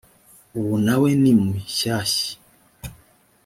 ubu na we ni mushyshya